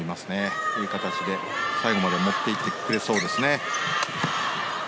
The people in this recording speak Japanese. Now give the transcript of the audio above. こういう形で最後まで持っていってくれそうですね。